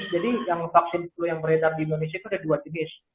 jadi yang vaksin flu yang beredar di indonesia itu ada dua jenis